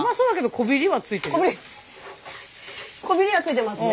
こびりこびりはついてますね。